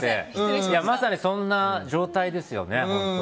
まさにそんな状態ですよね、本当。